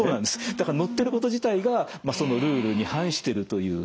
だから載ってること自体がそのルールに反してるというところですね。